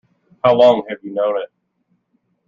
How long have you known it?